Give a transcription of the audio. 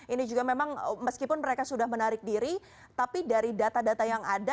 ini juga memang meskipun mereka sudah menarik diri tapi dari data data yang ada